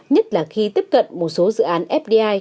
nhất là khi tiếp cận một số dự án fdi